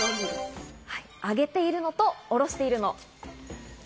あげているのと下ろしているの。